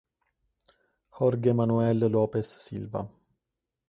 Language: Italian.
Jorge Manuel Lopes Silva